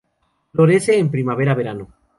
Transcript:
Florece en primavera verano.